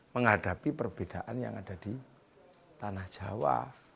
menghadapi perbedaan yang ada di tanah jawa